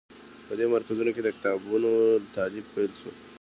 په دې مرکزونو کې د کتابونو تألیف پیل شو.